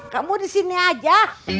kamu di sini aja